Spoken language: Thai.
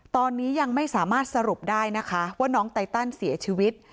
ตอนนี้ยังไม่สามารถสรุปได้นะคะว่าน้องไตตันเสียชีวิต